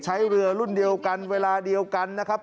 ใช้เรือรุ่นเดียวกันเวลาเดียวกันนะครับ